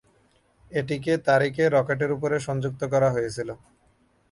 এটিকে তারিখে রকেটের উপরে সংযুক্ত করা হয়েছিল।